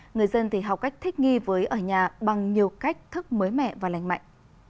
người dân thì học cách thích nghi với ở nhà bằng nhiều cách thức mới mẻ và lành mạnh